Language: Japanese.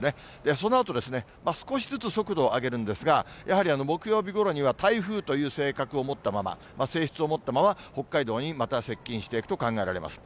そのあと、少しずつ速度を上げるんですが、やはり木曜日ごろには台風という性格を持ったまま、性質を持ったまま、北海道にまた接近していくと考えられます。